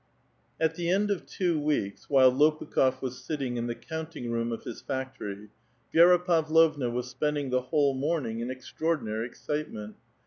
T the end of two weeks, while Lopukh6f was sitting the counting room of his factory, Vi^ra Pavlovna was ^P^nding the whole morning in extraordinary excitement.